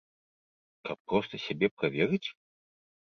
Каб проста сябе праверыць?